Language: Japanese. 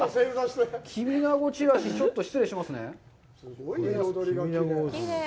キビナゴ散らし、ちょっと失礼しますね。